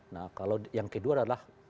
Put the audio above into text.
nah kalau yang kedua adalah